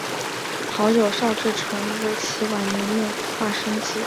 由好友邵志纯为其晚年摹划生计。